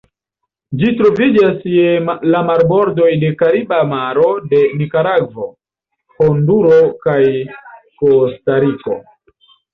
Ĝi troviĝas je la marbordoj de Kariba Maro de Nikaragvo, Honduro, kaj Kostariko.